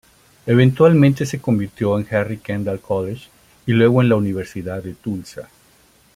Eventualmente se convirtió en Henry Kendall College y luego en la Universidad de Tulsa.